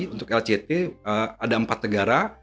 untuk lct ada empat negara